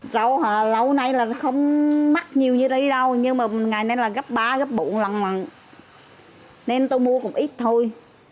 rau lâu nay không mắc nhiều như đây đâu nhưng ngày nay gấp ba gấp bụng lằn lằn nên tôi mua cũng ít thôi